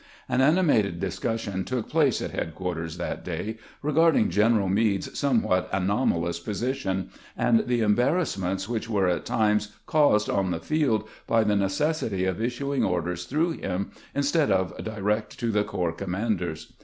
An animated discussion took place at headquarters that day regarding General Meade's some what anomalous position, and the embarrassments which were at times caused on the field by the necessity of issuing orders through him instead of direct to the corps commanders.